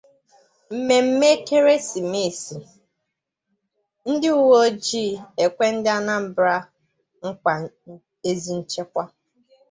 Mmemme Ekeresimeesi: Ndị Uwe Ojii Ekwe Ndị Anambra Nkwà Ezi Nchekwa